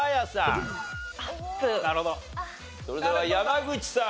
それでは山口さん。